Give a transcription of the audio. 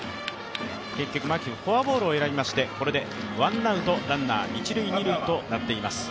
結局、牧はフォアボールを選びましてこれでワンアウトランナー一・二塁となっています。